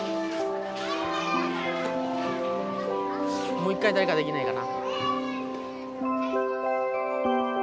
もう一回誰かできないかな？